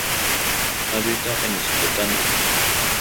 Habita en Mesopotamia.